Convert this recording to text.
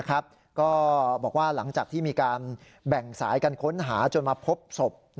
ก็บอกว่าหลังจากที่มีการแบ่งสายกันค้นหาจนมาพบศพ